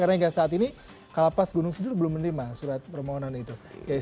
karena saat ini kalapas gunung sidur belum menerima surat permohonan itu